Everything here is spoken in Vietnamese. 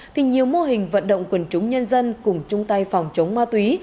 thì nhiều mô hình vận động quần chúng nhân dân cùng chung tay phòng chống ma túy